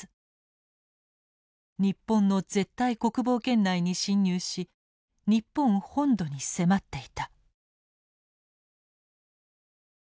日本の絶対国防圏内に侵入し日本本土に迫っていた。